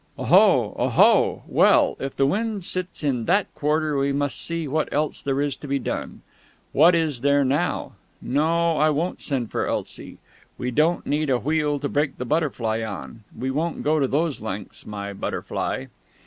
"Oho, oho!... Well, if the wind sits in that quarter we must see what else there is to be done. What is there, now?... No, I won't send for Elsie; we don't need a wheel to break the butterfly on; we won't go to those lengths, my butterfly...."